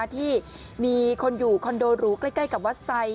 ที่มีคนอยู่คอนโดหรูใกล้กับวัดไซค